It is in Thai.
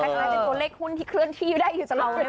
คล้ายเป็นตัวเล็กหุ้นที่เคลื่อนที่ได้อยู่สำหรับเรา